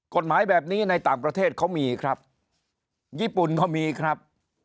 กฎหมายแบบนี้ในต่างประเทศเขามีครับญี่ปุ่นเขามีครับ